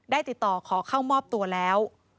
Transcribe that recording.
ติดต่อขอเข้ามอบตัวแล้ว